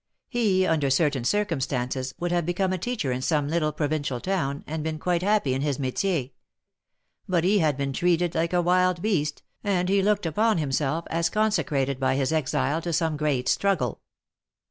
He, under certain circumstances, would have become a teacher in some little provincial town, and been quite happy in his metier. But he had been treated like a wild beast, and he looked upon himself as conse crated by his exile to some great struggle.